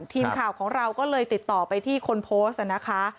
ทีมข่าวของเราก็เลยติดต่อไปที่คนโพสต์นะคะ